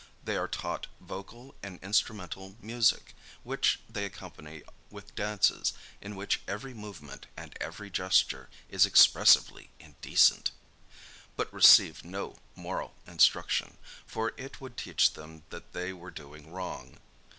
They are taught vocal and instrumental music, which they accompany with dances, in which every movement and every gesture is expressively indecent: but receive no moral instruction; for it would teach them that they were doing wrong.